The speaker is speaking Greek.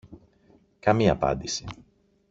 Καμία απάντηση